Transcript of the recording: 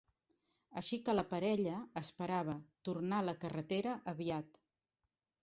Així que la parella esperava "tornar a la carretera" aviat.